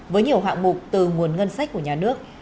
với nhiều hạng mục từ nguồn ngân sách của nhà nước